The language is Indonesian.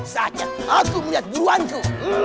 saatnya aku melihat buruanku